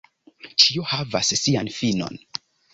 Ĉio havas sian finon.